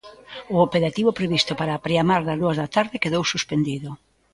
O operativo previsto para a preamar das dúas da tarde quedou suspendido.